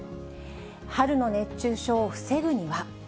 春の熱中症を防ぐには。